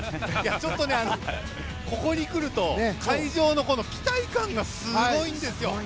ちょっと、ここに来ると会場の期待感がすごいんですよ。